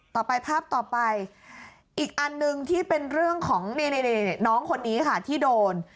ต่อไปภาพต่อไปอีกอันหนึ่งที่เป็นเรื่องของน้องคนนี้ค่ะที่โดน